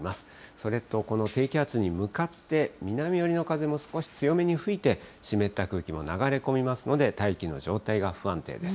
それとこの低気圧に向かって、南寄りの風も少し強めに吹いて、湿った空気も流れ込みますので、大気の状態が不安定です。